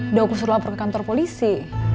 udah aku suruh lapor ke kantor polisi